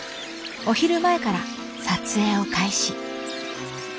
お昼前から撮影を開始。